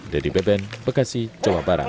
dedy beben bekasi jawa barat